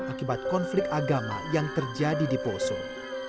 akibat konflik agama yang terjadi di poso